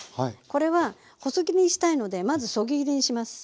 これは細切りにしたいのでまずそぎ切りにします。